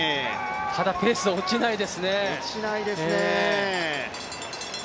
ただペース、落ちないですね。